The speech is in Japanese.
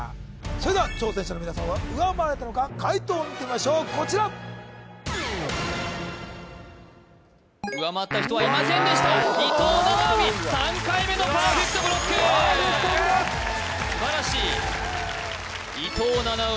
それでは挑戦者の皆さんは上回れたのか解答を見てみましょうこちら上回った人はいませんでした伊藤七海３回目のＰｅｒｆｅｃｔＢｌｏｃｋＰｅｒｆｅｃｔＢｌｏｃｋ素晴らしい伊藤七海